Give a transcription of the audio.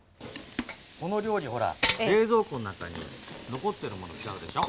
この料理ほら冷蔵庫の中に残ってるもの使うでしょ？